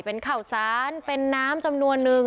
เป็นข่าวสารเป็นน้ำจำนวนนึง